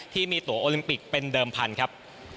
ที่มีตัวโอลิมปิกเป็นเดิมพันธุ์ครับ